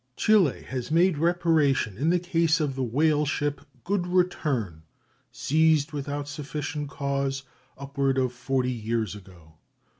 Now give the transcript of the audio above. Chile has made reparation in the case of the whale ship Good Return, seized without sufficient cause upward of forty years ago.